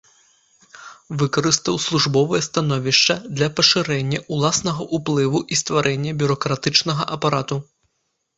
Выкарыстаў службовае становішча для пашырэння ўласнага ўплыву і стварэння бюракратычнага апарату.